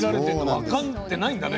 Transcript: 分かってないんだね。